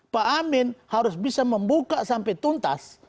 pak amin harus bisa membuka sampai tuntas